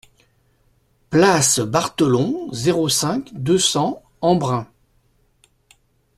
Place Barthelon, zéro cinq, deux cents Embrun